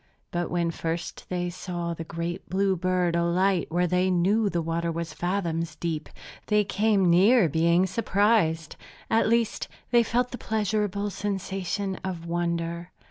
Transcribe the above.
But when first they saw the great blue bird alight where they knew the water was fathoms deep, they came near being surprised. At least, they felt the pleasurable sensation of wonder.